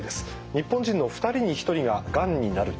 日本人の２人に１人ががんになる時代。